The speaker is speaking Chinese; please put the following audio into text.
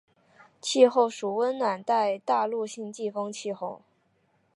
气候属暖温带大陆性季风气候。